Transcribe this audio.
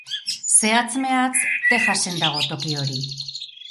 Zehatz mehatz Texasen dago toki hori.